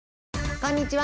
こんにちは。